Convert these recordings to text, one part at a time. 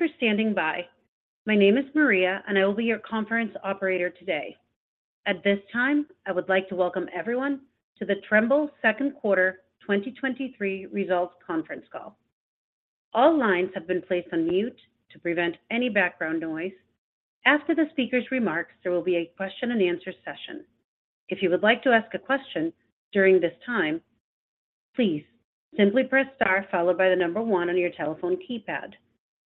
Thank you for standing by. My name is Maria, and I will be your conference operator today. At this time, I would like to welcome everyone to the Trimble Q2 2023 Results Conference Call. All lines have been placed on mute to prevent any background noise. After the speaker's remarks, there will be a Q&A session. If you would like to ask a question during this time, please simply press star followed by the number 1 on your telephone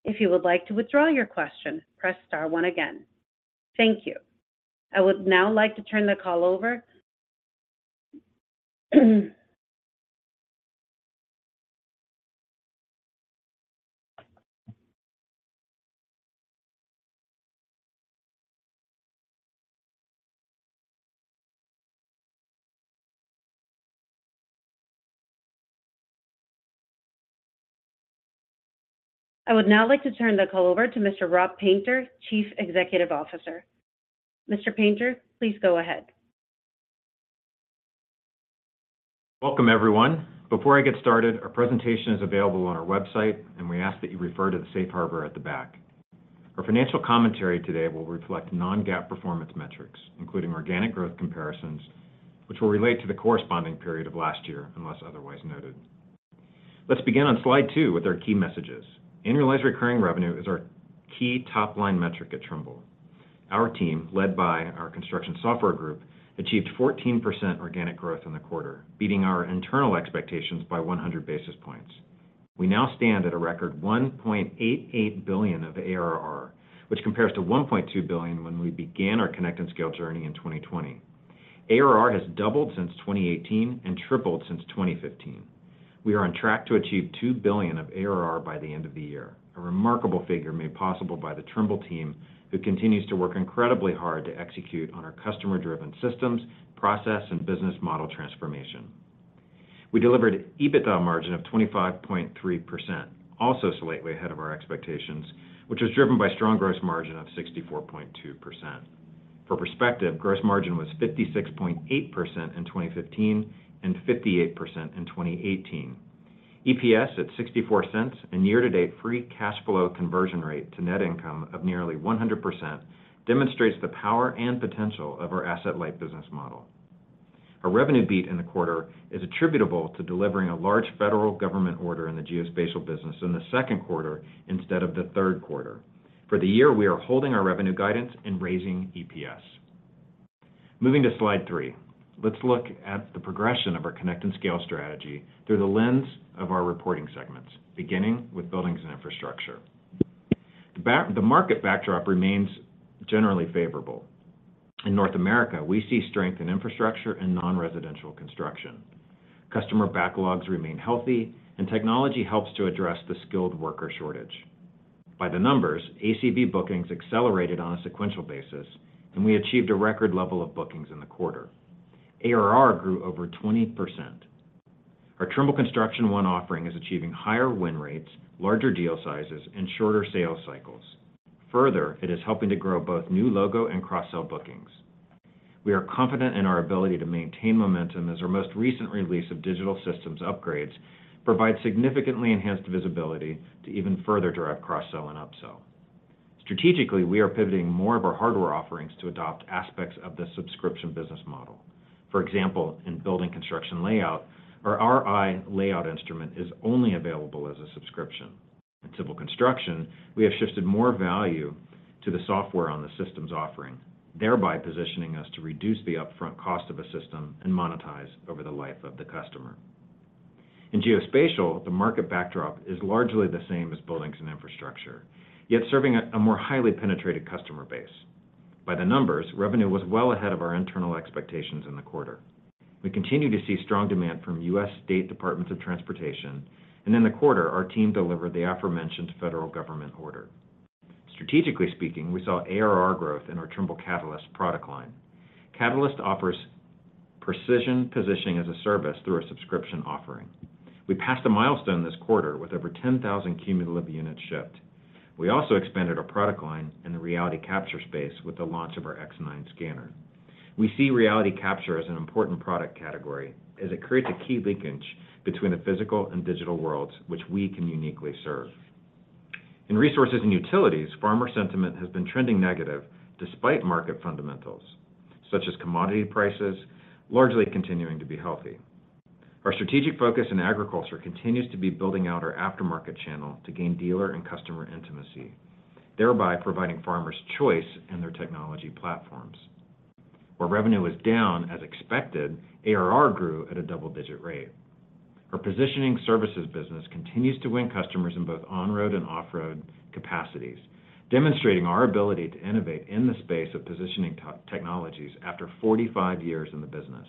keypad. If you would like to withdraw your question, press star 1 again. Thank you. I would now like to turn the call over. I would now like to turn the call over to Mr. Rob Painter, Chief Executive Officer. Mr. Painter, please go ahead. Welcome, everyone. Before I get started, our presentation is available on our website, and we ask that you refer to the safe harbor at the back. Our financial commentary today will reflect non-GAAP performance metrics, including organic growth comparisons, which will relate to the corresponding period of last year, unless otherwise noted. Let's begin on slide 2 with our key messages. Annualized recurring revenue is our key top-line metric at Trimble. Our team, led by our construction software group, achieved 14% organic growth in the quarter, beating our internal expectations by 100 basis points. We now stand at a record $1.88 billion of ARR, which compares to $1.2 billion when we began our Connect and Scale journey in 2020. ARR has doubled since 2018 and tripled since 2015. We are on track to achieve $2 billion of ARR by the end of the year, a remarkable figure made possible by the Trimble team, who continues to work incredibly hard to execute on our customer-driven systems, process, and business model transformation. We delivered EBITDA margin of 25.3%, also slightly ahead of our expectations, which was driven by strong gross margin of 64.2%. For perspective, gross margin was 56.8% in 2015 and 58% in 2018. EPS at $0.64 and year-to-date free cash flow conversion rate to net income of nearly 100% demonstrates the power and potential of our asset-light business model. Our revenue beat in the quarter is attributable to delivering a large federal government order in the geospatial business in the Q2 instead of the Q3. For the year, we are holding our revenue guidance and raising EPS. Moving to slide three. Let's look at the progression of our Connect and Scale strategy through the lens of our reporting segments, beginning with buildings and infrastructure. The market backdrop remains generally favorable. In North America, we see strength in infrastructure and non-residential construction. Customer backlogs remain healthy, and technology helps to address the skilled worker shortage. By the numbers, ACV bookings accelerated on a sequential basis, and we achieved a record level of bookings in the quarter. ARR grew over 20%. Our Trimble Construction One offering is achieving higher win rates, larger deal sizes, and shorter sales cycles. Further, it is helping to grow both new logo and cross-sell bookings. We are confident in our ability to maintain momentum as our most recent release of digital systems upgrades provide significantly enhanced visibility to even further direct cross-sell and upsell. Strategically, we are pivoting more of our hardware offerings to adopt aspects of the subscription business model. For example, in building construction layout, our Ri layout instrument is only available as a subscription. In civil construction, we have shifted more value to the software on the systems offering, thereby positioning us to reduce the upfront cost of a system and monetize over the life of the customer. In geospatial, the market backdrop is largely the same as buildings and infrastructure, yet serving a more highly penetrated customer base. By the numbers, revenue was well ahead of our internal expectations in the quarter. We continue to see strong demand from U.S. state departments of transportation. In the quarter, our team delivered the aforementioned federal government order. Strategically speaking, we saw ARR growth in our Trimble Catalyst product line. Catalyst offers precision positioning as a service through a subscription offering. We passed a milestone this quarter with over 10,000 cumulative units shipped. We also expanded our product line in the reality capture space with the launch of our X9 scanner. We see reality capture as an important product category as it creates a key linkage between the physical and digital worlds, which we can uniquely serve. In resources and utilities, farmer sentiment has been trending negative despite market fundamentals, such as commodity prices, largely continuing to be healthy. Our strategic focus in agriculture continues to be building out our aftermarket channel to gain dealer and customer intimacy, thereby providing farmers choice in their technology platforms. Where revenue is down, as expected, ARR grew at a double-digit rate. Our positioning services business continues to win customers in both on-road and off-road capacities, demonstrating our ability to innovate in the space of positioning tech, technologies after 45 years in the business.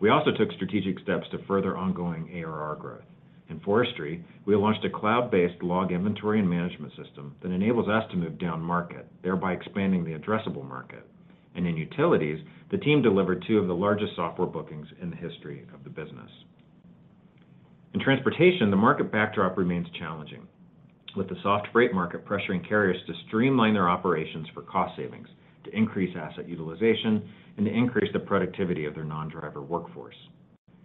We also took strategic steps to further ongoing ARR growth. In forestry, we launched a cloud-based log inventory and management system that enables us to move down market, thereby expanding the addressable market. In utilities, the team delivered 2 of the largest software bookings in the history of the business. In transportation, the market backdrop remains challenging, with the soft freight market pressuring carriers to streamline their operations for cost savings, to increase asset utilization, and to increase the productivity of their non-driver workforce.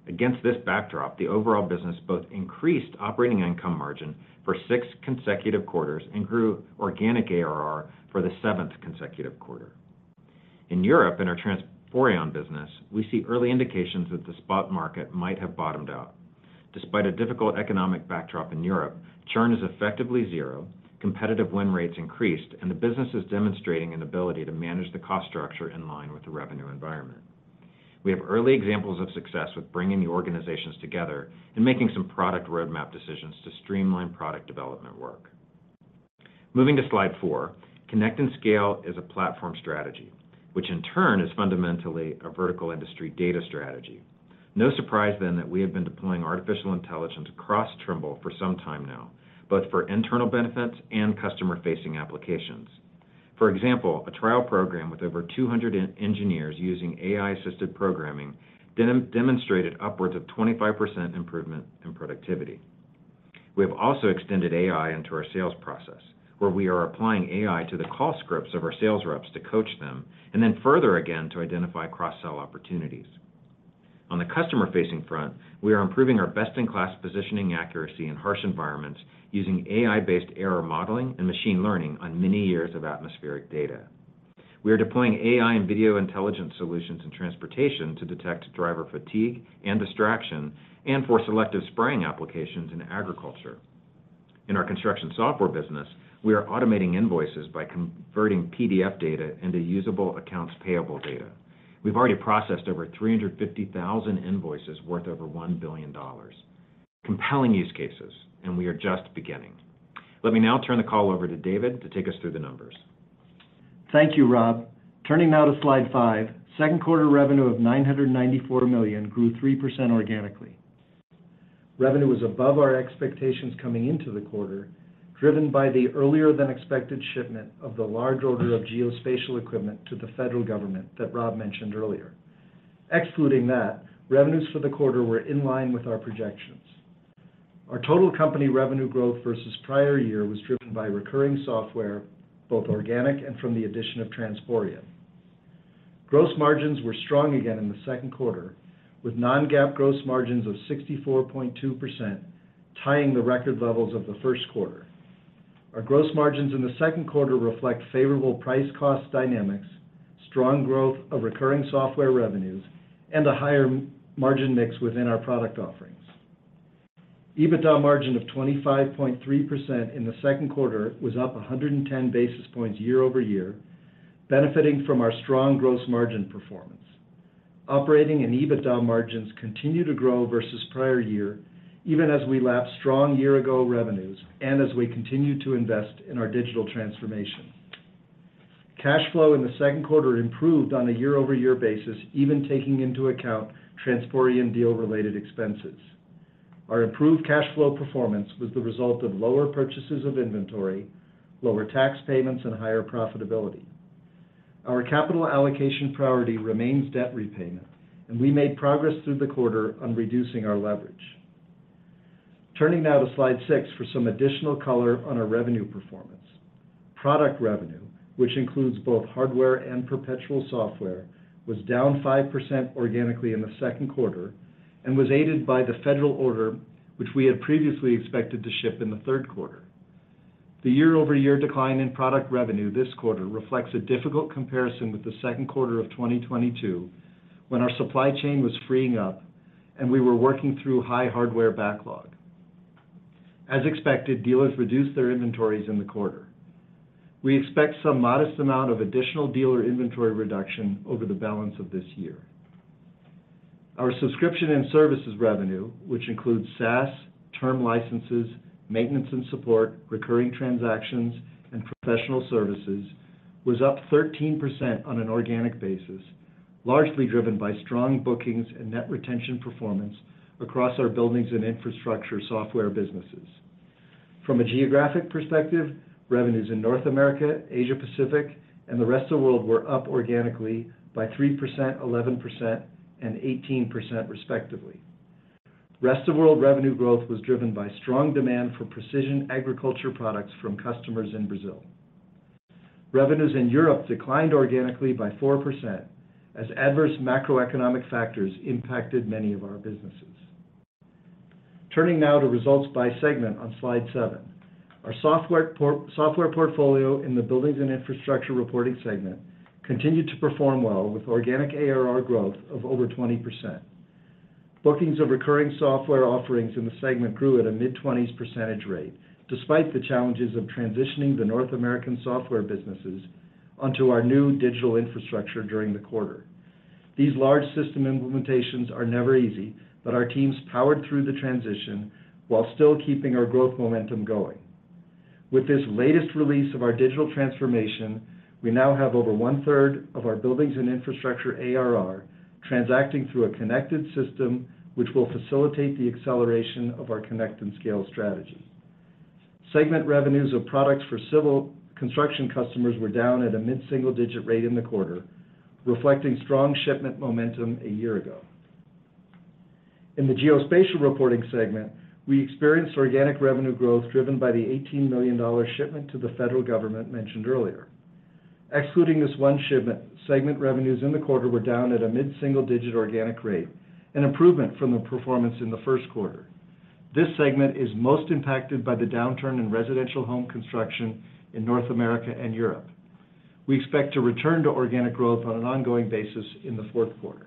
Against this backdrop, the overall business both increased operating income margin for 6 consecutive quarters and grew organic ARR for the 7th consecutive quarter. In Europe, in our Transporeon business, we see early indications that the spot market might have bottomed out. Despite a difficult economic backdrop in Europe, churn is effectively 0, competitive win rates increased, and the business is demonstrating an ability to manage the cost structure in line with the revenue environment. We have early examples of success with bringing the organizations together and making some product roadmap decisions to streamline product development work. Moving to slide four. Connect and Scale is a platform strategy, which in turn is fundamentally a vertical industry data strategy. No surprise then, that we have been deploying artificial intelligence across Trimble for some time now, both for internal benefits and customer-facing applications. For example, a trial program with over 200 engineers using AI-assisted programming demonstrated upwards of 25% improvement in productivity. We have also extended AI into our sales process, where we are applying AI to the call scripts of our sales reps to coach them, and then further again, to identify cross-sell opportunities. On the customer-facing front, we are improving our best-in-class positioning accuracy in harsh environments using AI-based error modeling and machine learning on many years of atmospheric data. We are deploying AI and video intelligence solutions in transportation to detect driver fatigue and distraction, and for selective spraying applications in agriculture. In our construction software business, we are automating invoices by converting PDF data into usable accounts payable data. We've already processed over 350,000 invoices worth over $1 billion. Compelling use cases. We are just beginning. Let me now turn the call over to David to take us through the numbers. Thank you, Rob. Turning now to slide five. Q2 revenue of $994 million grew 3% organically. Revenue was above our expectations coming into the quarter, driven by the earlier than expected shipment of the large order of geospatial equipment to the federal government that Rob mentioned earlier. Excluding that, revenues for the quarter were in line with our projections. Our total company revenue growth versus prior year was driven by recurring software, both organic and from the addition of Transporeon. Gross margins were strong again in the Q2, with non-GAAP gross margins of 64.2%, tying the record levels of the Q1. Our gross margins in the Q2 reflect favorable price-cost dynamics, strong growth of recurring software revenues, and a higher margin mix within our product offerings. EBITDA margin of 25.3% in the Q2 was up 110 basis points year-over-year, benefiting from our strong gross margin performance. Operating and EBITDA margins continue to grow versus prior year, even as we lap strong year-ago revenues and as we continue to invest in our digital transformation. Cash flow in the Q2 improved on a year-over-year basis, even taking into account Transporeon deal-related expenses. Our improved cash flow performance was the result of lower purchases of inventory, lower tax payments, and higher profitability. Our capital allocation priority remains debt repayment, and we made progress through the quarter on reducing our leverage. Turning now to slide six for some additional color on our revenue performance. Product revenue, which includes both hardware and perpetual software, was down 5% organically in the Q2 and was aided by the federal order, which we had previously expected to ship in the Q3. The year-over-year decline in product revenue this quarter reflects a difficult comparison with the Q2 of 2022, when our supply chain was freeing up and we were working through high hardware backlog. As expected, dealers reduced their inventories in the quarter. We expect some modest amount of additional dealer inventory reduction over the balance of this year. Our subscription and services revenue, which includes SaaS, term licenses, maintenance and support, recurring transactions, and professional services, was up 13% on an organic basis, largely driven by strong bookings and net retention performance across our buildings and infrastructure software businesses. From a geographic perspective, revenues in North America, Asia Pacific, and the rest of world were up organically by 3%, 11%, and 18%, respectively. Rest of World revenue growth was driven by strong demand for precision agriculture products from customers in Brazil. Revenues in Europe declined organically by 4%, as adverse macroeconomic factors impacted many of our businesses. Turning now to results by segment on slide seven. Our software portfolio in the buildings and infrastructure reporting segment continued to perform well, with organic ARR growth of over 20%. Bookings of recurring software offerings in the segment grew at a mid-20s percentage rate, despite the challenges of transitioning the North American software businesses onto our new digital infrastructure during the quarter. These large system implementations are never easy, but our teams powered through the transition while still keeping our growth momentum going. With this latest release of our digital transformation, we now have over one-third of our buildings and infrastructure ARR transacting through a connected system, which will facilitate the acceleration of our Connect and Scale strategy. Segment revenues of products for civil construction customers were down at a mid-single-digit rate in the quarter, reflecting strong shipment momentum a year ago. In the geospatial reporting segment, we experienced organic revenue growth driven by the $18 million shipment to the federal government mentioned earlier. Excluding this one shipment, segment revenues in the quarter were down at a mid-single-digit organic rate, an improvement from the performance in the Q1. This segment is most impacted by the downturn in residential home construction in North America and Europe. We expect to return to organic growth on an ongoing basis in the Q4.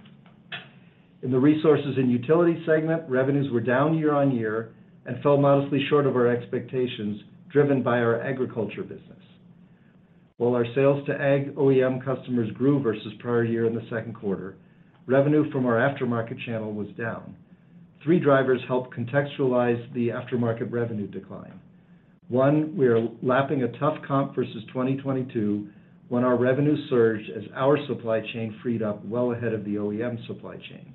In the Resources and Utilities segment, revenues were down year-on-year and fell modestly short of our expectations, driven by our agriculture business. While our sales to AG OEM customers grew versus prior year in the Q2, revenue from our aftermarket channel was down. 3 drivers helped contextualize the aftermarket revenue decline. 1, we are lapping a tough comp versus 2022, when our revenue surged as our supply chain freed up well ahead of the OEM supply chains.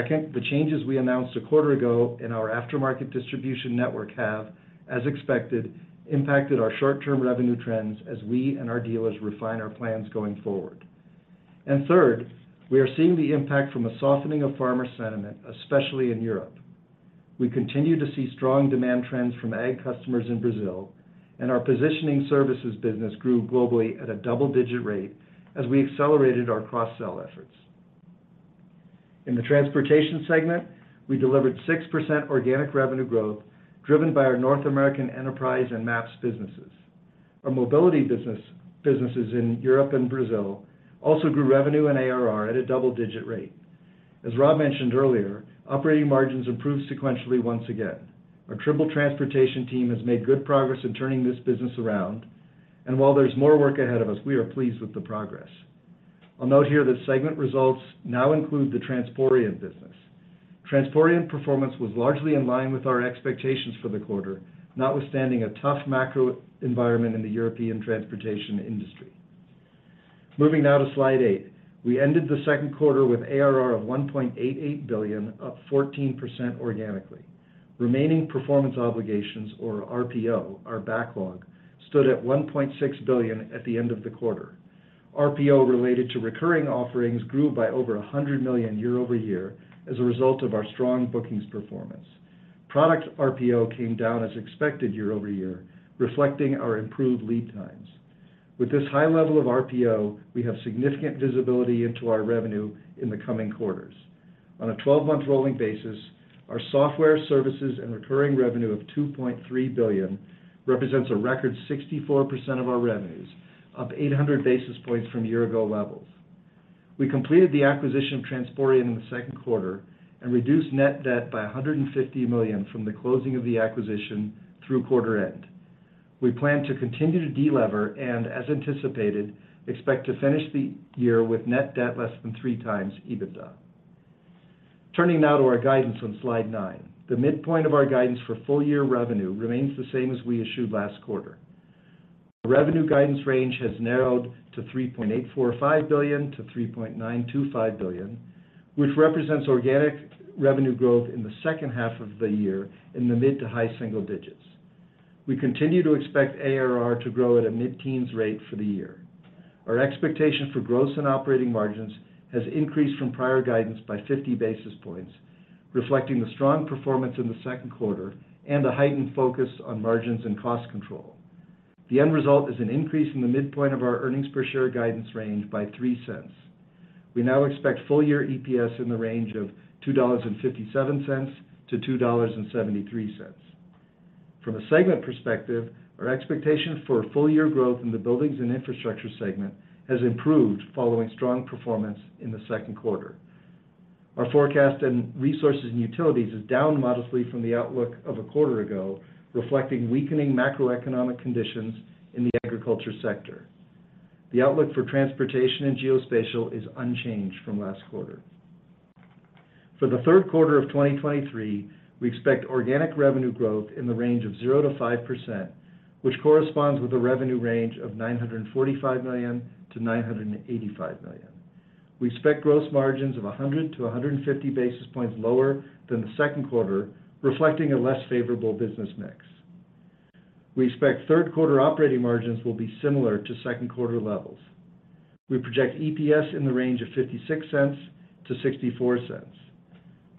2, the changes we announced a quarter ago in our aftermarket distribution network have, as expected, impacted our short-term revenue trends as we and our dealers refine our plans going forward. 3, we are seeing the impact from a softening of farmer sentiment, especially in Europe. We continue to see strong demand trends from AG customers in Brazil. Our positioning services business grew globally at a double-digit rate as we accelerated our cross-sell efforts. In the Transportation segment, we delivered 6% organic revenue growth, driven by our North American enterprise and maps businesses. Our mobility businesses in Europe and Brazil also grew revenue and ARR at a double-digit rate. As Rob mentioned earlier, operating margins improved sequentially once again. Our Trimble Transportation team has made good progress in turning this business around. While there's more work ahead of us, we are pleased with the progress. I'll note here that segment results now include the Transporeon business. Transporeon performance was largely in line with our expectations for the quarter, notwithstanding a tough macro environment in the European transportation industry. Moving now to slide eight. We ended the Q2 with ARR of $1.88 billion, up 14% organically. Remaining performance obligations, or RPO, our backlog, stood at $1.6 billion at the end of the quarter. RPO related to recurring offerings grew by over $100 million year-over-year as a result of our strong bookings performance. Product RPO came down as expected year-over-year, reflecting our improved lead times. With this high level of RPO, we have significant visibility into our revenue in the coming quarters. On a 12-month rolling basis, our software, services, and recurring revenue of $2.3 billion represents a record 64% of our revenues, up 800 basis points from a year ago levels. We completed the acquisition of Transporeon in the Q2 and reduced net debt by $150 million from the closing of the acquisition through quarter end. We plan to continue to deliver and, as anticipated, expect to finish the year with net debt less than 3 times EBITDA. Turning now to our guidance on slide nine. The midpoint of our guidance for full-year revenue remains the same as we issued last quarter. Revenue guidance range has narrowed to $3.845 billion-$3.925 billion, which represents organic revenue growth in the second half of the year in the mid to high single digits. We continue to expect ARR to grow at a mid-teens rate for the year. Our expectation for gross and operating margins has increased from prior guidance by 50 basis points, reflecting the strong performance in the Q2 and a heightened focus on margins and cost control. The end result is an increase in the midpoint of our earnings per share guidance range by $0.03. We now expect full-year EPS in the range of $2.57-$2.73. From a segment perspective, our expectation for full-year growth in the Buildings and Infrastructure segment has improved following strong performance in the Q2. Our forecast in Resources and Utilities is down modestly from the outlook of a quarter ago, reflecting weakening macroeconomic conditions in the agriculture sector. The outlook for Transportation and Geospatial is unchanged from last quarter. For the Q3 of 2023, we expect organic revenue growth in the range of 0%-5%, which corresponds with a revenue range of $945 million-$985 million. We expect gross margins of 100-150 basis points lower than the Q2, reflecting a less favorable business mix. We expect Q3 operating margins will be similar to Q2 levels. We project EPS in the range of $0.56-$0.64.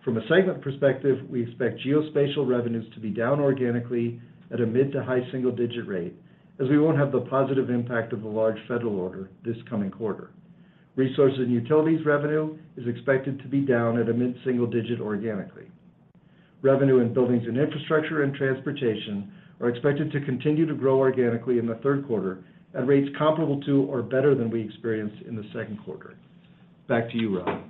From a segment perspective, we expect geospatial revenues to be down organically at a mid- to high single-digit rate, as we won't have the positive impact of a large federal order this coming quarter. Resources and Utilities revenue is expected to be down at a mid-single digit organically. Revenue in Buildings and Infrastructure and Transportation are expected to continue to grow organically in the Q3 at rates comparable to or better than we experienced in the Q2. Back to you, Rob.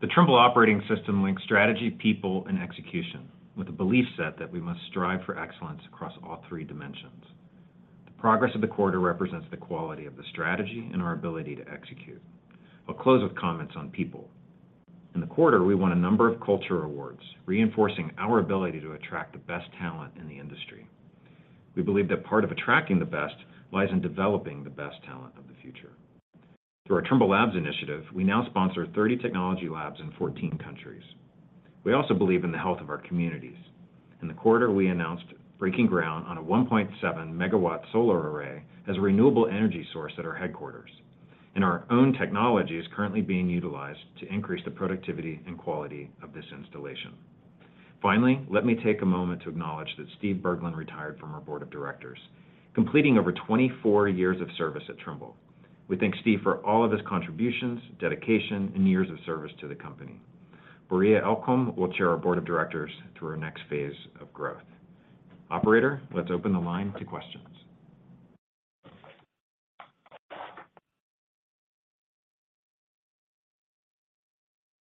The Trimble operating system links strategy, people, and execution with a belief set that we must strive for excellence across all three dimensions. The progress of the quarter represents the quality of the strategy and our ability to execute. I'll close with comments on people. In the quarter, we won a number of culture awards, reinforcing our ability to attract the best talent in the industry. We believe that part of attracting the best lies in developing the best talent of the future. Through our Trimble Labs initiative, we now sponsor 30 technology labs in 14 countries. We also believe in the health of our communities. In the quarter, we announced breaking ground on a 1.7 megawatt solar array as a renewable energy source at our headquarters, and our own technology is currently being utilized to increase the productivity and quality of this installation. Finally, let me take a moment to acknowledge that Steve Berglund retired from our board of directors, completing over 24 years of service at Trimble. We thank Steve for all of his contributions, dedication, and years of service to the company. Maria Eklom will chair our board of directors through our next phase of growth. Operator, let's open the line to questions.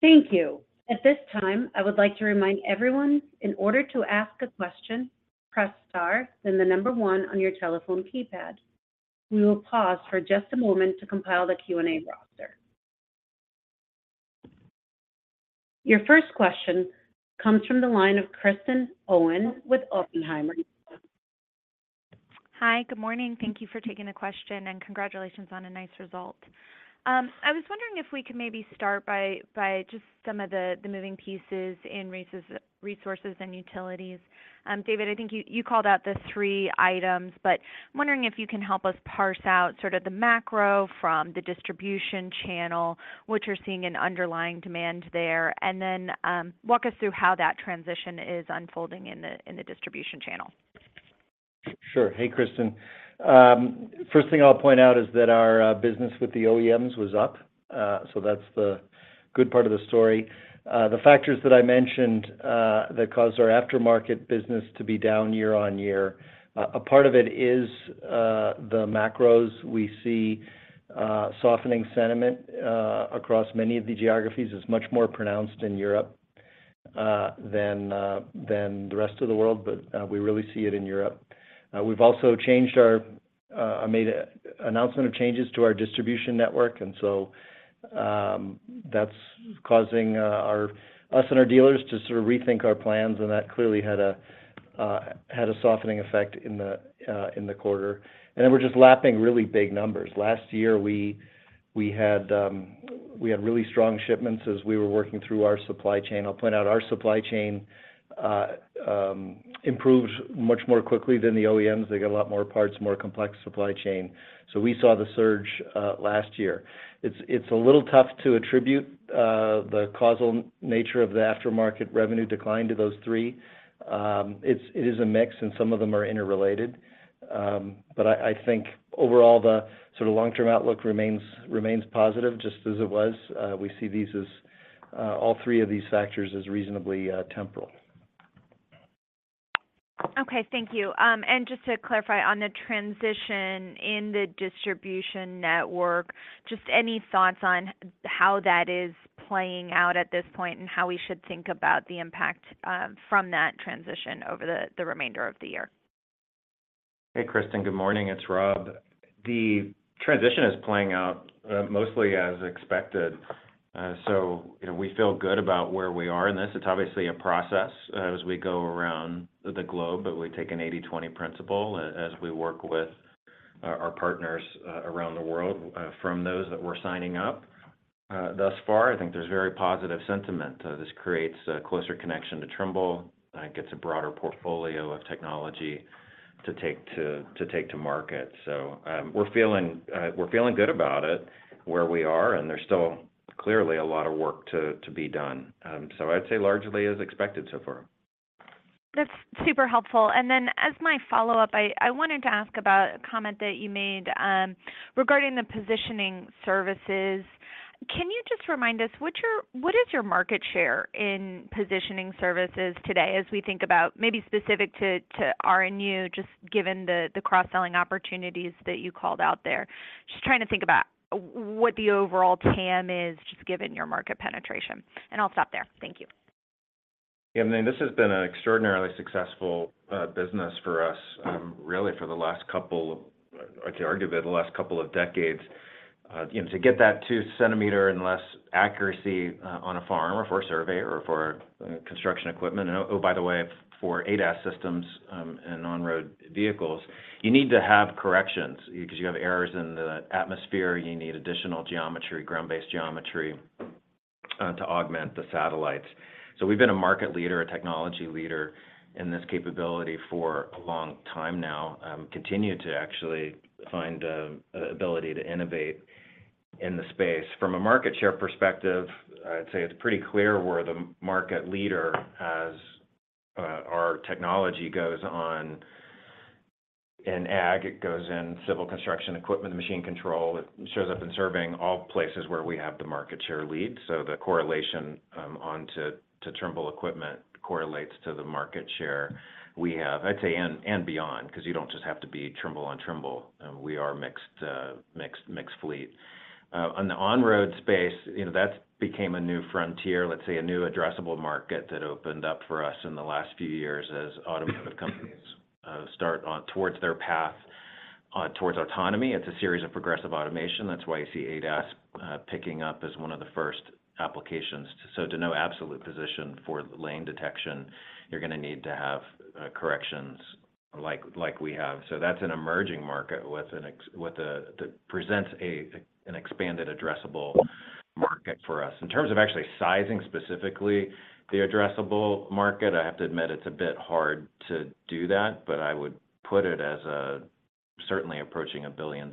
Thank you. At this time, I would like to remind everyone, in order to ask a question, press star, then the number 1 on your telephone keypad. We will pause for just a moment to compile the Q&A roster. Your first question comes from the line of Kristen Owen with Oppenheimer. Hi, good morning. Thank you for taking the question. Congratulations on a nice result. I was wondering if we could maybe start by just some of the moving pieces in resources and utilities. David, I think you, you called out the 3 items, but I'm wondering if you can help us parse out sort of the macro from the distribution channel, what you're seeing in underlying demand there, and then, walk us through how that transition is unfolding in the distribution channel. Sure. Hey, Kristen. First thing I'll point out is that our business with the OEMs was up. That's the good part of the story. The factors that I mentioned that caused our aftermarket business to be down year-over-year, a part of it is the macros. We see softening sentiment across many of the geographies. It's much more pronounced in Europe than the rest of the world. We really see it in Europe. We've also changed our. I made a announcement of changes to our distribution network. That's causing us and our dealers to sort of rethink our plans. That clearly had a softening effect in the quarter. We're just lapping really big numbers. Last year, we, we had, we had really strong shipments as we were working through our supply chain. I'll point out, our supply chain improved much more quickly than the OEMs. They got a lot more parts, more complex supply chain, we saw the surge last year. It's, it's a little tough to attribute the causal nature of the aftermarket revenue decline to those three. It's, it is a mix, some of them are interrelated. I, I think overall, the sort of long-term outlook remains, remains positive, just as it was. We see these as all three of these factors as reasonably temporal. Okay, thank you. Just to clarify, on the transition in the distribution network, just any thoughts on how that is playing out at this point, and how we should think about the impact from that transition over the, the remainder of the year? Hey, Kristen, good morning. It's Rob. The transition is playing out mostly as expected. You know, we feel good about where we are in this. It's obviously a process as we go around the globe, but we take an 80/20 principle as we work with our, our partners around the world, from those that we're signing up. Thus far, I think there's very positive sentiment. This creates a closer connection to Trimble, gets a broader portfolio of technology to take to, to take to market. We're feeling, we're feeling good about it, where we are, and there's still clearly a lot of work to, to be done. I'd say largely as expected so far. That's super helpful. Then, as my follow-up, I, I wanted to ask about a comment that you made regarding the positioning services. Can you just remind us, what is your market share in positioning services today, as we think about maybe specific to, to RNU, just given the, the cross-selling opportunities that you called out there? Just trying to think about what the overall TAM is, just given your market penetration. I'll stop there. Thank you. Yeah, I mean, this has been an extraordinarily successful business for us, really for the last couple of decades. You know, to get that 2 centimeter and less accuracy on a farm, or for a survey, or for construction equipment, and, oh, by the way, for ADAS systems and on-road vehicles, you need to have corrections. You have errors in the atmosphere, you need additional geometry, ground-based geometry to augment the satellites. We've been a market leader, a technology leader in this capability for a long time now, continue to actually find ability to innovate in the space. From a market share perspective, I'd say it's pretty clear we're the market leader as our technology goes on in ag, it goes in civil construction, equipment, machine control. It shows up in surveying, all places where we have the market share lead. So the correlation, onto to Trimble equipment correlates to the market share we have. I'd say, and, and beyond, because you don't just have to be Trimble on Trimble. We are mixed, mixed, mixed fleet. On the on-road space, you know, that's became a new frontier, let's say, a new addressable market that opened up for us in the last few years as automotive companies start on towards their path towards autonomy. It's a series of progressive automation. That's why you see ADAS picking up as one of the first applications. So to know absolute position for lane detection, you're gonna need to have corrections like, like we have. So that's an emerging market with a, that presents a, an expanded addressable market for us. In terms of actually sizing specifically the addressable market, I have to admit it's a bit hard to do that, but I would put it as certainly approaching a $1 billion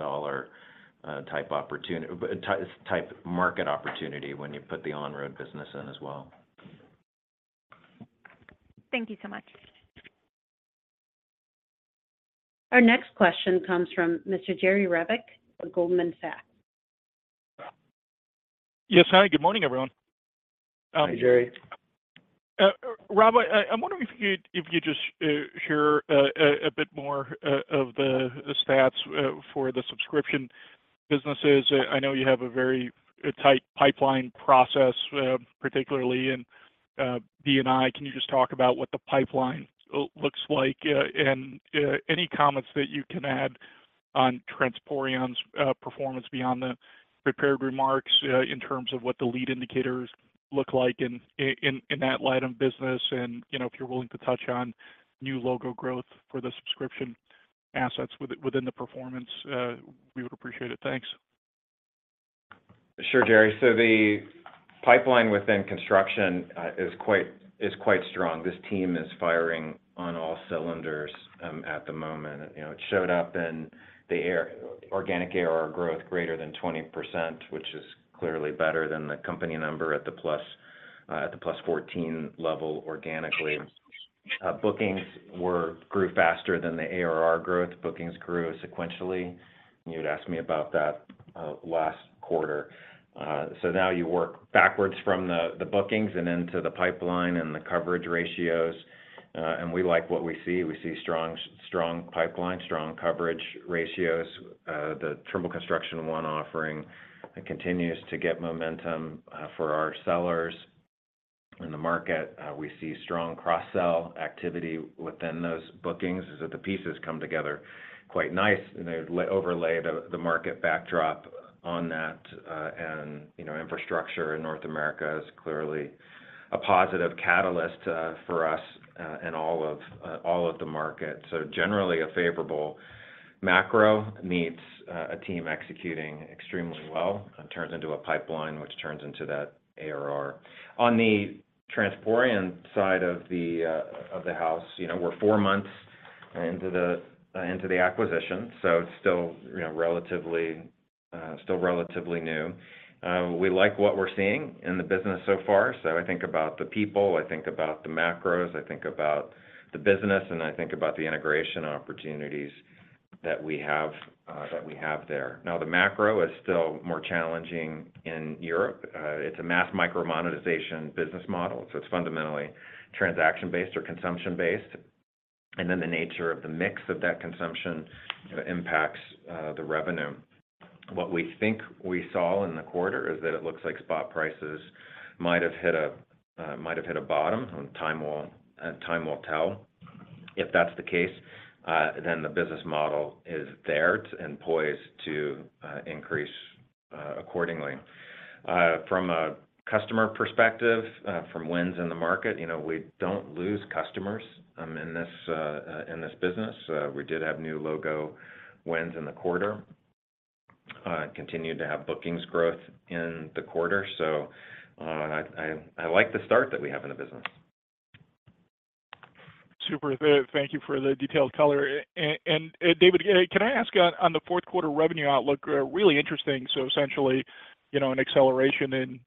type opportunity, type, type market opportunity when you put the on-road business in as well. Thank you so much. Our next question comes from Mr. Jerry Revich of Goldman Sachs. Yes, hi, good morning, everyone. Hi, Jerry. Robert, I, I'm wondering if you, if you just share a bit more of the stats for the subscription businesses. I know you have a very, a tight pipeline process, particularly in B&I. Can you just talk about what the pipeline looks like? And any comments that you can add on Transporeon's performance beyond the prepared remarks, in terms of what the lead indicators look like in that line of business, and, you know, if you're willing to touch on new logo growth for the subscription assets within the performance, we would appreciate it. Thanks. Sure, Jerry. The pipeline within construction is quite strong. This team is firing on all cylinders at the moment. You know, it showed up in the ARR organic ARR growth greater than 20%, which is clearly better than the company number at the +14 level organically. Bookings grew faster than the ARR growth. Bookings grew sequentially, you had asked me about that last quarter. Now you work backwards from the bookings and into the pipeline and the coverage ratios, we like what we see. We see strong, strong pipeline, strong coverage ratios. The Trimble Construction One offering continues to get momentum for our sellers in the market. We see strong cross-sell activity within those bookings, as that the pieces come together quite nice, and they overlay the, the market backdrop on that. And, you know, infrastructure in North America is clearly a positive catalyst for us, and all of all of the markets. Generally, a favorable macro meets a team executing extremely well and turns into a pipeline, which turns into that ARR. On the Transporeon side of the of the house, you know, we're 4 months into the into the acquisition, so it's still, you know, relatively still relatively new. We like what we're seeing in the business so far. I think about the people, I think about the macros, I think about the business, and I think about the integration opportunities that we have that we have there. still more challenging in Europe. It's a mass micro monetization business model, so it's fundamentally transaction-based or consumption-based, and then the nature of the mix of that consumption impacts the revenue. What we think we saw in the quarter is that it looks like spot prices might have hit a might have hit a bottom, and time will time will tell. If that's the case, then the business model is there and poised to increase accordingly. From a customer perspective, from wins in the market, you know, we don't lose customers in this in this business. We did have new logo wins in the quarter, continued to have bookings growth in the quarter. So, I, I, I like the start that we have in the business. Super. Thank you for the detailed color. David, can I ask on the Q4 revenue outlook, really interesting. Essentially, you know, an acceleration in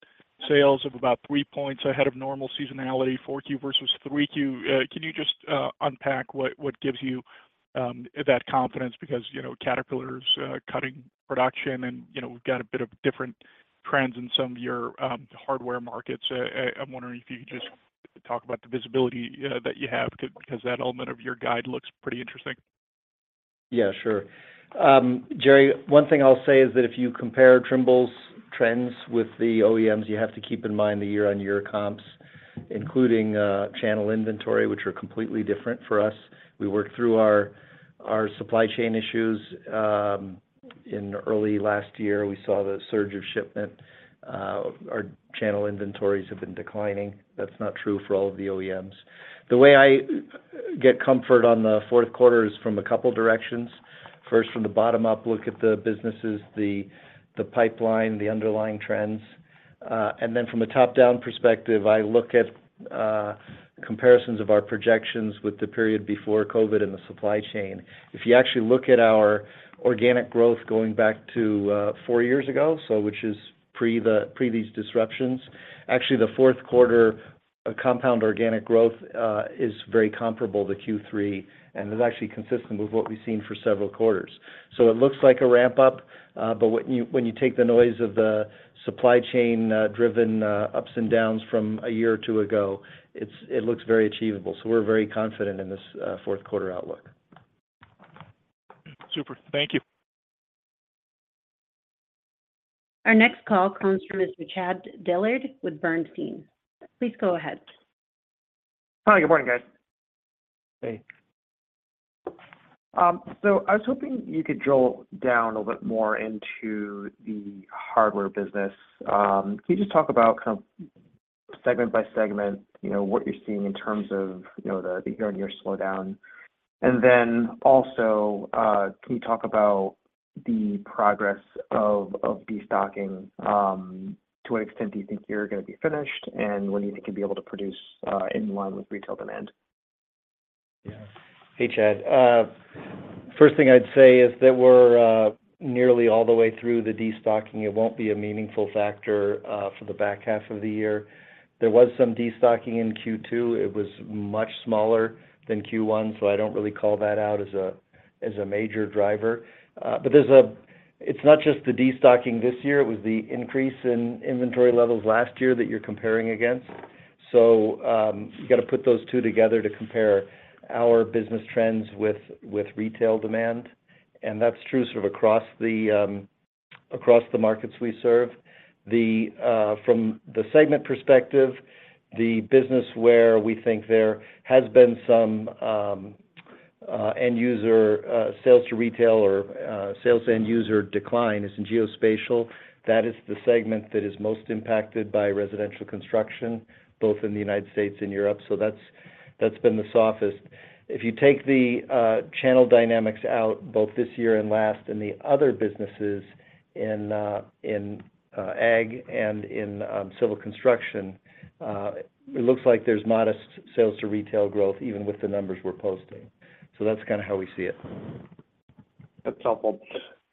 sales of about 3 points ahead of normal seasonality, Q4 versus Q3. Can you just unpack what gives you that confidence? You know, Caterpillar's cutting production and, you know, we've got a bit of different trends in some of your hardware markets. I'm wondering if you could just talk about the visibility that you have, because that element of your guide looks pretty interesting. Yeah, sure. Jerry, one thing I'll say is that if you compare Trimble's trends with the OEMs, you have to keep in mind the year-on-year comps, including channel inventory, which are completely different for us. We worked through our, our supply chain issues in early last year. We saw the surge of shipment. Our channel inventories have been declining. That's not true for all of the OEMs. The way I get comfort on the Q4 is from a couple directions. First, from the bottom up, look at the businesses, the, the pipeline, the underlying trends. And then from a top-down perspective, I look at comparisons of our projections with the period before COVID and the supply chain. If you actually look at our organic growth going back to four years ago, which is pre these disruptions, actually, the Q4 compound organic growth is very comparable to Q3 and is actually consistent with what we've seen for several quarters. It looks like a ramp-up, but when you take the noise of the supply chain driven ups and downs from a year or two ago, it looks very achievable. We're very confident in this Q4 outlook. Super. Thank you. Our next call comes from Mr. Chad Dillard with Bernstein. Please go ahead. Hi, good morning, guys. Hey. I was hoping you could drill down a little bit more into the hardware business. Can you just talk about kind of segment by segment, you know, what you're seeing in terms of, you know, the, the year-on-year slowdown? Also, can you talk about-... the progress of, of destocking. To what extent do you think you're gonna be finished, and when do you think you'll be able to produce, in line with retail demand? Yeah. Hey, Chad. First thing I'd say is that we're nearly all the way through the destocking. It won't be a meaningful factor for the back half of the year. There was some destocking in Q2. It was much smaller than Q1. I don't really call that out as a major driver. There's it's not just the destocking this year, it was the increase in inventory levels last year that you're comparing against. You gotta put those 2 together to compare our business trends with, with retail demand. That's true sort of across the across the markets we serve. The from the segment perspective, the business where we think there has been some end user sales to retail or sales to end user decline is in geospatial. That is the segment that is most impacted by residential construction, both in the United States and Europe, so that's been the softest. If you take the channel dynamics out, both this year and last, and the other businesses in ag and in civil construction, it looks like there's modest sales to retail growth, even with the numbers we're posting. That's kind of how we see it. That's helpful.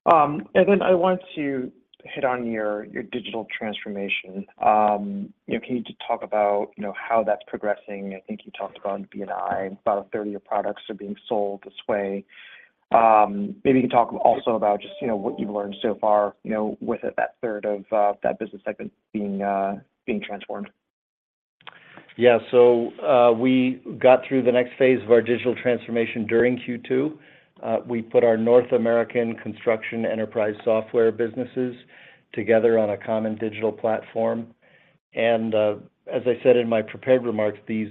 Then I want to hit on your, your digital transformation. You know, can you just talk about, you know, how that's progressing? I think you talked about BNI, about a third of your products are being sold this way. Maybe you can talk also about just, you know, what you've learned so far, you know, with that third of that business segment being transformed. Yeah. We got through the next phase of our digital transformation during Q2. We put our North American construction enterprise software businesses together on a common digital platform. As I said in my prepared remarks, these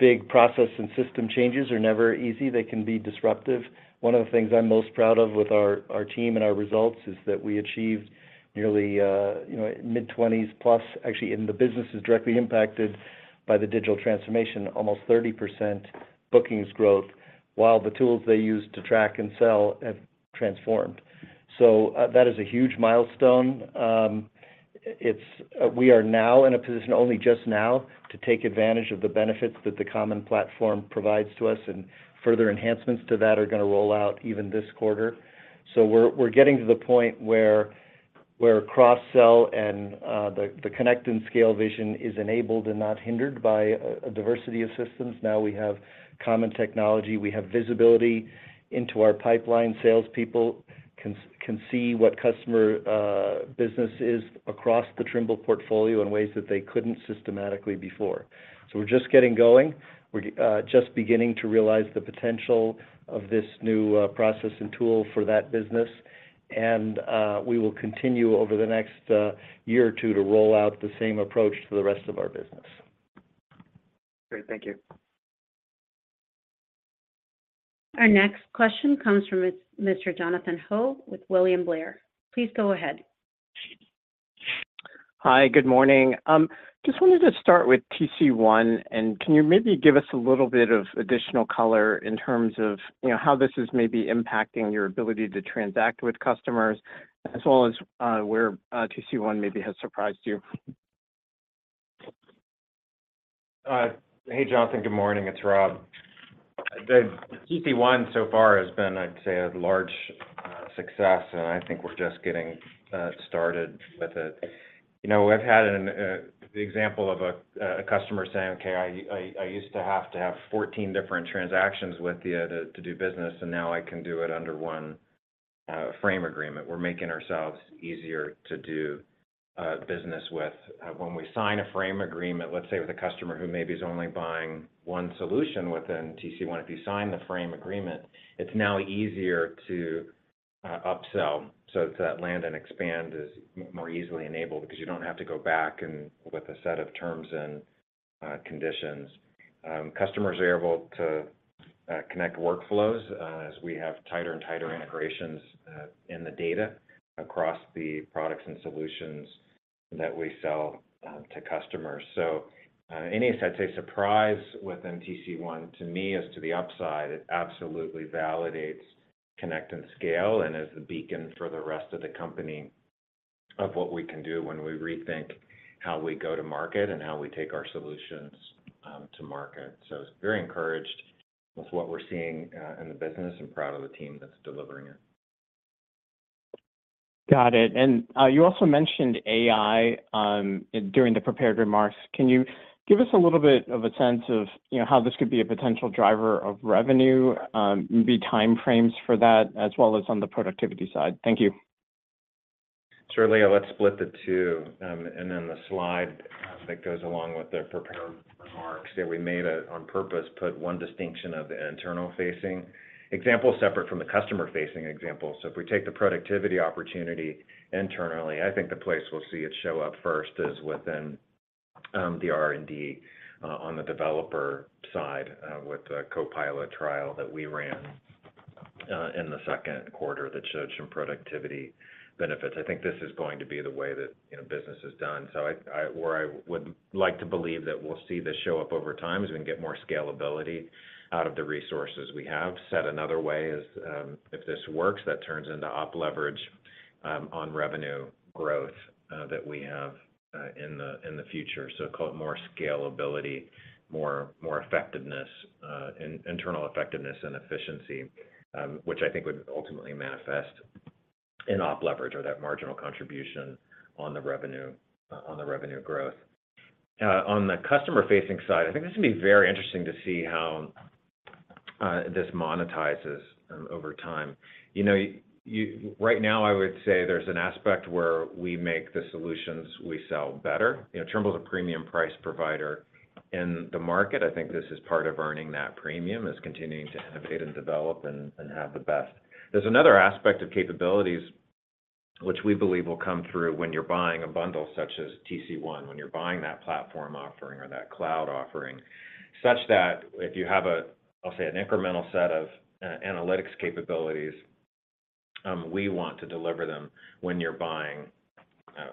big process and system changes are never easy. They can be disruptive. One of the things I'm most proud of with our, our team and our results, is that we achieved nearly, you know, mid-20s+... Actually, in the businesses directly impacted by the digital transformation, almost 30% bookings growth, while the tools they use to track and sell have transformed. That is a huge milestone. It's, we are now in a position, only just now, to take advantage of the benefits that the common platform provides to us, and further enhancements to that are gonna roll out even this quarter. We're, we're getting to the point where, where cross-sell and the, the Connect and Scale vision is enabled and not hindered by a, a diversity of systems. Now, we have common technology, we have visibility into our pipeline. Salespeople can s- can see what customer business is across the Trimble portfolio in ways that they couldn't systematically before. We're just getting going. We're just beginning to realize the potential of this new process and tool for that business. We will continue over the next year or two to roll out the same approach to the rest of our business. Great. Thank you. Our next question comes from Mr. Jonathan Ho with William Blair. Please go ahead. Hi, good morning. Just wanted to start with TC1, and can you maybe give us a little bit of additional color in terms of, you know, how this is maybe impacting your ability to transact with customers, as well as, where, TC1 maybe has surprised you? Hey, Jonathan, good morning. It's Rob. The TC1 so far has been, I'd say, a large success, and I think we're just getting started with it. You know, we've had an example of a customer saying, "Okay, I, I used to have to have 14 different transactions with you to, to do business, and now I can do it under 1 frame agreement." We're making ourselves easier to do business with. When we sign a frame agreement, let's say, with a customer who maybe is only buying 1 solution within TC1, if you sign the frame agreement, it's now easier to upsell. It's that land and expand is more easily enabled, because you don't have to go back and with a set of terms and conditions. Customers are able to connect workflows as we have tighter and tighter integrations in the data across the products and solutions that we sell to customers. In any sense, a surprise within TC1, to me, is to the upside. It absolutely validates Connect and Scale, and is the beacon for the rest of the company of what we can do when we rethink how we go to market and how we take our solutions to market. Very encouraged with what we're seeing in the business and proud of the team that's delivering it. Got it. You also mentioned AI during the prepared remarks. Can you give us a little bit of a sense of, you know, how this could be a potential driver of revenue, maybe time frames for that, as well as on the productivity side? Thank you. Certainly. Let's split the two. The slide that goes along with the prepared remarks, that we made it on purpose, put one distinction of the internal-facing example, separate from the customer-facing example. If we take the productivity opportunity internally, I think the place we'll see it show up first is within the R&D on the developer side, with the Copilot trial that we ran. In the Q2 that showed some productivity benefits. I think this is going to be the way that, you know, business is done. I, I where I would like to believe that we'll see this show up over time, as we can get more scalability out of the resources we have. Said another way is, if this works, that turns into op leverage on revenue growth that we have in the future. Call it more scalability, more, more effectiveness, internal effectiveness and efficiency, which I think would ultimately manifest in op leverage or that marginal contribution on the revenue on the revenue growth. On the customer-facing side, I think this is going to be very interesting to see how this monetizes over time. You know, right now, I would say there's an aspect where we make the solutions we sell better. You know, Trimble is a premium price provider in the market. I think this is part of earning that premium, is continuing to innovate and develop and have the best. There's another aspect of capabilities which we believe will come through when you're buying a bundle such as TC1, when you're buying that platform offering or that cloud offering, such that if you have a, I'll say, an incremental set of analytics capabilities, we want to deliver them when you're buying,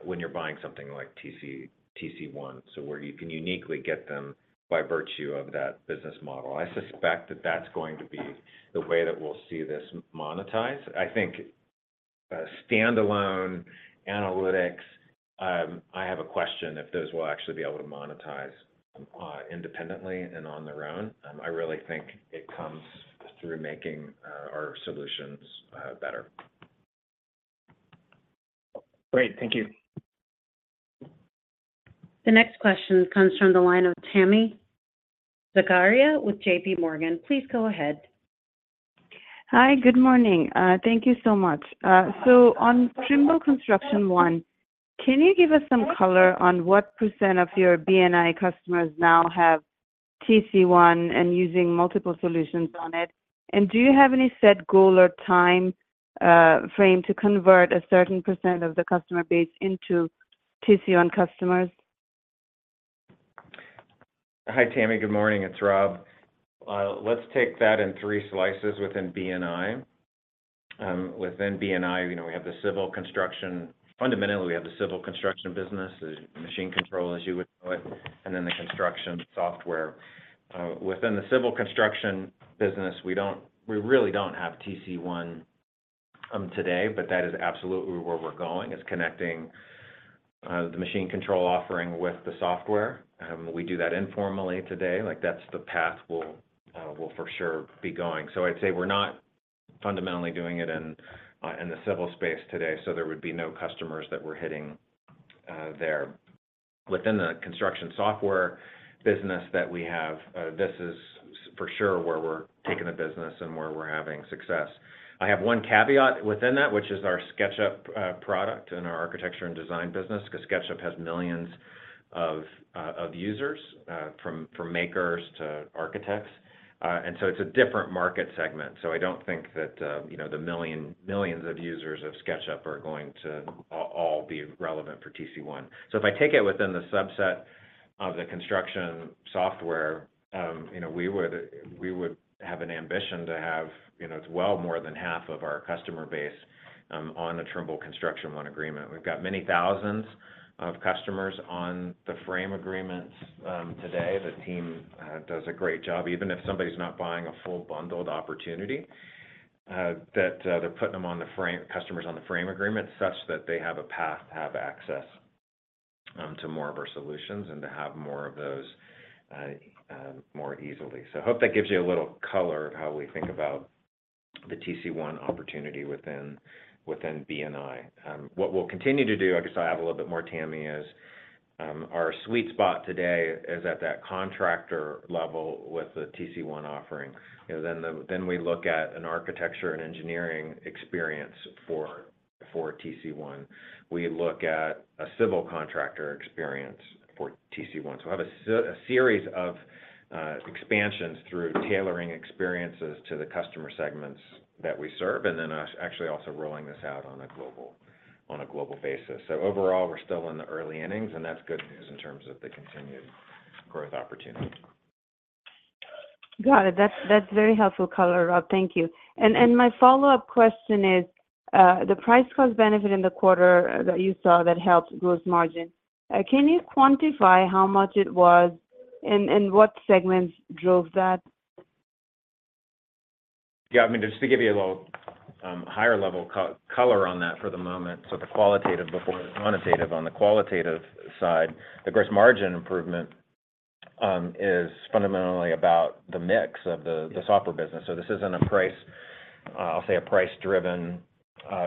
when you're buying something like TC1, so where you can uniquely get them by virtue of that business model. I suspect that that's going to be the way that we'll see this monetize. I think standalone analytics, I have a question if those will actually be able to monetize independently and on their own. I really think it comes through making our solutions better. Great. Thank you. The next question comes from the line of Tami Zakaria with J.P. Morgan. Please go ahead. Hi, good morning. Thank you so much. On Trimble Construction One, can you give us some color on what % of your BNI customers now have TC1 and using multiple solutions on it? Do you have any set goal or time frame to convert a certain % of the customer base into TC1 customers? Hi, Tami. Good morning. It's Rob. Let's take that in 3 slices within BNI. Within BNI, you know, we have the civil construction... Fundamentally, we have the civil construction business, the machine control, as you would know it, and then the construction software. Within the civil construction business, we really don't have TC1 today, but that is absolutely where we're going, is connecting the machine control offering with the software. We do that informally today. Like, that's the path we'll for sure be going. I'd say we're not fundamentally doing it in the civil space today, so there would be no customers that we're hitting there. Within the construction software business that we have, this is for sure where we're taking the business and where we're having success. I have one caveat within that, which is our SketchUp product and our architecture and design business, because SketchUp has millions of users from makers to architects. It's a different market segment, so I don't think that, you know, the millions of users of SketchUp are going to all be relevant for TC1. If I take it within the subset of the construction software, you know, we would, we would have an ambition to have, you know, well more than half of our customer base on the Trimble Construction One agreement. We've got many thousands of customers on the frame agreements today. The team does a great job. Even if somebody's not buying a full bundled opportunity, that they're putting them on the frame-- customers on the frame agreement, such that they have a path to have access to more of our solutions and to have more of those more easily. I hope that gives you a little color of how we think about the TC1 opportunity within, within BNI. What we'll continue to do, I guess I'll add a little bit more, Tami, is, our sweet spot today is at that contractor level with the TC1 offering. You know, then we look at an architecture and engineering experience for, for TC1. We look at a civil contractor experience for TC1. We'll have a series of expansions through tailoring experiences to the customer segments that we serve, and then us actually also rolling this out on a global, on a global basis. Overall, we're still in the early innings, and that's good news in terms of the continued growth opportunity. Got it. That's, that's very helpful color, Rob. Thank you. My follow-up question is, the price-cost benefit in the quarter that you saw that helped gross margin, can you quantify how much it was and, and what segments drove that? Yeah, I mean, just to give you a little higher level co-color on that for the moment, so the qualitative before the quantitative. On the qualitative side, the gross margin improvement is fundamentally about the mix of the software business. So this isn't a price, I'll say, a price-driven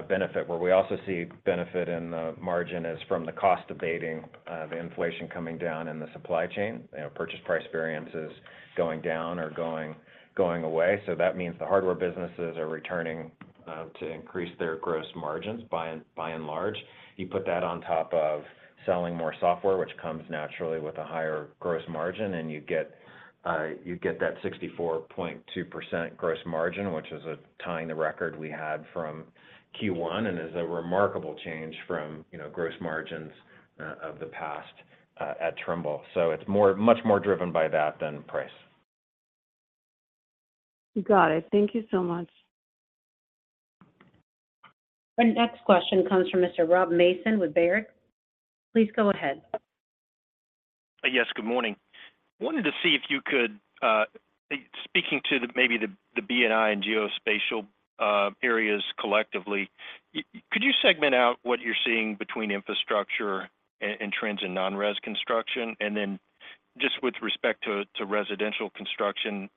benefit, where we also see benefit in the margin is from the cost abating, the inflation coming down in the supply chain, you know, purchase price variances going down or going, going away. So that means the hardware businesses are returning to increase their gross margins, by and, by and large. You put that on top of selling more software, which comes naturally with a higher gross margin, and you get, you get that 64.2% gross margin, which is tying the record we had from Q1 and is a remarkable change from, you know, gross margins of the past at Trimble. It's more, much more driven by that than price. Got it. Thank you so much.... Our next question comes from Mr. Rob Mason with Baird. Please go ahead. Yes, good morning. Wanted to see if you could, speaking to the, maybe the, the BNI and geospatial areas collectively, could you segment out what you're seeing between infrastructure and trends in non-res construction? Then just with respect to residential construction,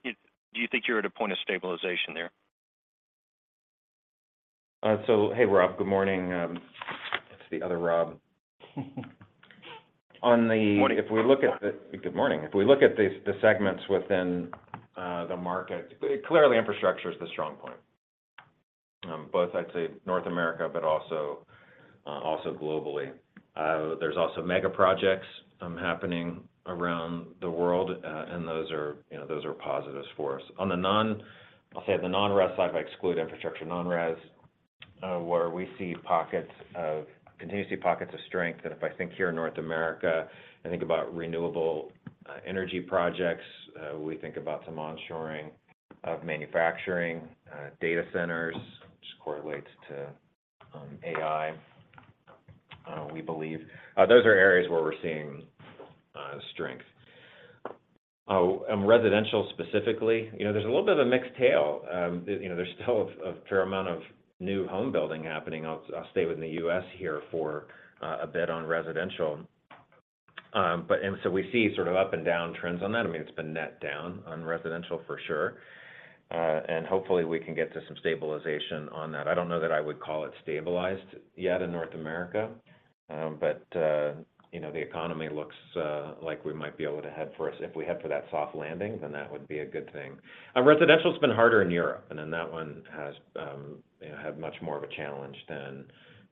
do you think you're at a point of stabilization there? hey, Rob. Good morning. it's the other Rob. Morning. Good morning. If we look at the segments within the market, clearly infrastructure is the strong point. Both I'd say North America, but also globally. There's also mega projects happening around the world, and those are, you know, those are positives for us. On the non-res side, if I exclude infrastructure, non-res, where we continue to see pockets of strength. If I think here in North America, I think about renewable energy projects, we think about some onshoring of manufacturing, data centers, which correlates to AI, we believe. Those are areas where we're seeing strength. Residential specifically, you know, there's a little bit of a mixed tale. You know, there's still a, a fair amount of new home building happening. I'll, I'll stay within the U.S. here for a bit on residential. We see sort of up and down trends on that. I mean, it's been net down on residential for sure, and hopefully we can get to some stabilization on that. I don't know that I would call it stabilized yet in North America, but, you know, the economy looks like we might be able to head for if we head for that soft landing, then that would be a good thing. Residential's been harder in Europe, and then that one has, you know, had much more of a challenge than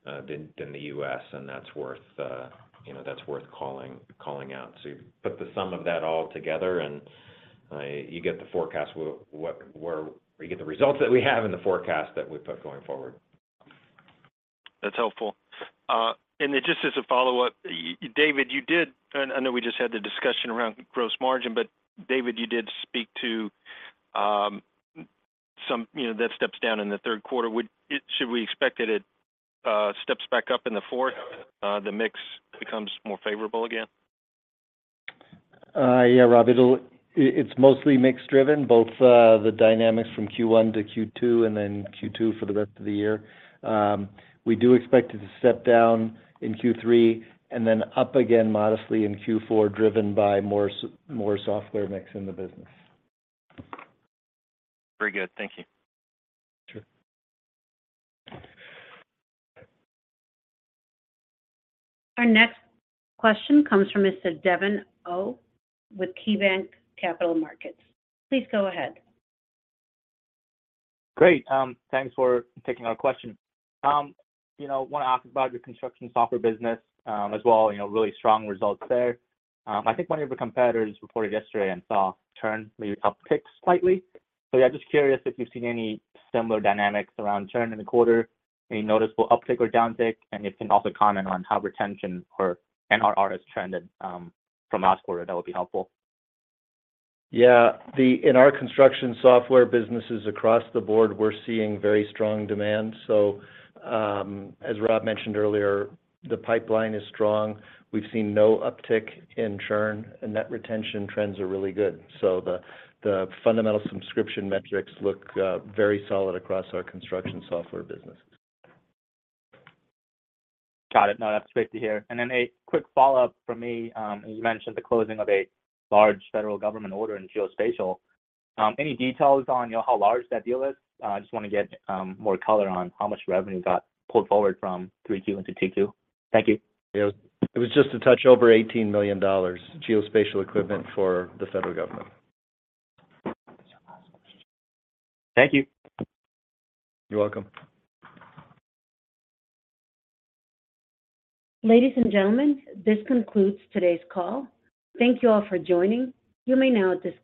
than than the U.S., and that's worth, you know, that's worth calling, calling out. You put the sum of that all together, and you get the forecast where, you get the results that we have in the forecast that we put going forward. That's helpful. Then just as a follow-up, David, you did, and I know we just had the discussion around gross margin, but David, you did speak to some, you know, that steps down in the Q3. Should we expect that it steps back up in the fourth, the mix becomes more favorable again? Yeah, Rob, it's mostly mix driven, both, the dynamics from Q1 to Q2, and then Q2 for the rest of the year. We do expect it to step down in Q3 and then up again modestly in Q4, driven by more software mix in the business. Very good. Thank you. Sure. Our next question comes from Mr. Devin Au, with KeyBanc Capital Markets. Please go ahead. Great, thanks for taking our question. You know, want to ask about your construction software business, as well, you know, really strong results there. I think one of your competitors reported yesterday and saw churn maybe uptick slightly. Yeah, just curious if you've seen any similar dynamics around churn in the quarter, any noticeable uptick or downtick? You can also comment on how retention or NRR has trended from last quarter, that would be helpful. Yeah, in our construction software businesses across the board, we're seeing very strong demand. As Rob mentioned earlier, the pipeline is strong. We've seen no uptick in churn, and net retention trends are really good. The, the fundamental subscription metrics look very solid across our construction software businesses. Got it. No, that's great to hear. Then a quick follow-up from me. As you mentioned, the closing of a large federal government order in geospatial, any details on, you know, how large that deal is? I just want to get more color on how much revenue got pulled forward from 3Q into 2Q. Thank you. It was, it was just a touch over $18 million, geospatial equipment for the federal government. Thank you. You're welcome. Ladies and gentlemen, this concludes today's call. Thank you all for joining. You may now disconnect.